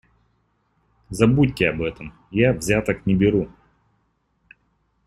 Забудьте об этом - я взяток не беру.